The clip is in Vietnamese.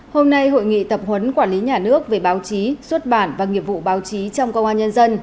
hôm nay hội nghị tập huấn quản lý nhà nước về báo chí xuất bản và nghiệp vụ báo chí trong công an nhân dân